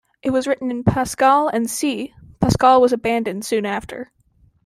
It was written in Pascal and C. Pascal was abandoned soon after.